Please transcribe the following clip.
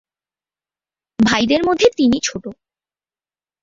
ভাইদের মধ্যে তিনি ছোট।